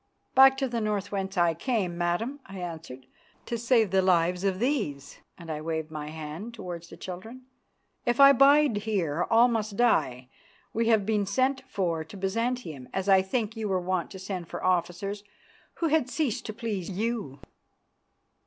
"Back to the North, whence I came, Madam," I answered, "to save the lives of these," and I waved my hand towards the children. "If I bide here all must die. We have been sent for to Byzantium, as I think you were wont to send for officers who had ceased to please you."